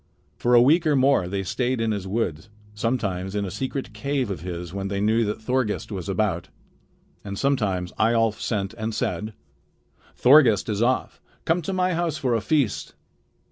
For a week or more they stayed in his woods, sometimes in a secret cave of his when they knew that Thorgest was about. And sometimes Eyjolf sent and said: "Thorgest is off. Come to my house for a feast."